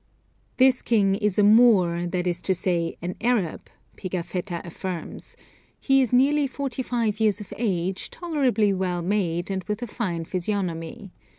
"This king is a Moor, that is to say, an Arab," Pigafetta affirms; "he is nearly forty five years of age, tolerably well made, and with a fine physiognomy.